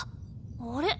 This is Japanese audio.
あれ？